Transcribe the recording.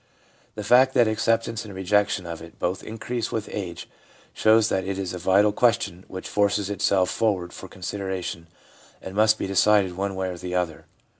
The fact that acceptance and rejection of it both increase with age shows that it is a vital question which forces itself forward for consideration, and must be decided one way or the other.